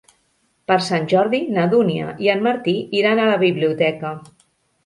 Per Sant Jordi na Dúnia i en Martí iran a la biblioteca.